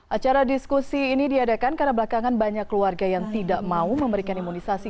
acara diskusi ini diadakan karena belakangan banyak keluarga yang tidak mau memberikan imunisasi